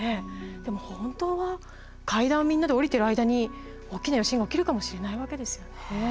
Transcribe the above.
でも本当は階段をみんなで下りてる間に大きな余震が起きるかもしれないわけですよね。